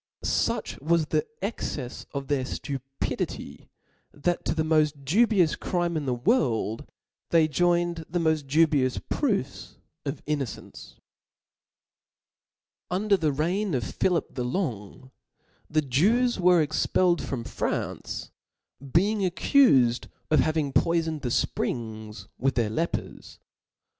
Such wa^ the the excefs of their (lupidity, that to the mod dubious crime in the world, they joined the moil dubious proofs of innocence. Under the reign of Philip the Longy the Jews were expelled from France, being accufed of hav ing poifoned the fprings with their lepers.